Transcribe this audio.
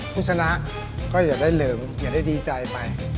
ผู้ชนะก็อย่าได้ลืมอย่าได้ดีใจไป